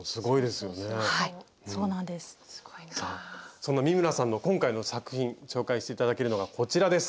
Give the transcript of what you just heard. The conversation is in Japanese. そんなミムラさんの今回の作品紹介して頂けるのがこちらです。